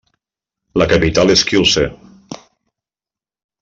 La capital és Kielce.